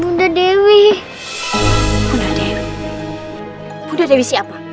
bunda dewi bunda dewi siapa